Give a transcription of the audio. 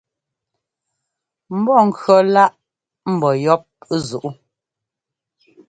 Mbɔ́kʉ̈ laʼ mbɔ́ yɔ́p zuʼú.